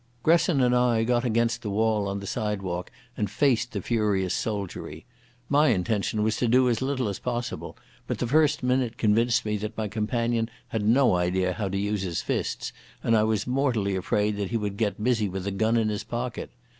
Gresson and I got against the wall on the side walk, and faced the furious soldiery. My intention was to do as little as possible, but the first minute convinced me that my companion had no idea how to use his fists, and I was mortally afraid that he would get busy with the gun in his pocket.